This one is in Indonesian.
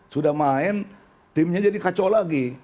sudah main timnya jadi kacau lagi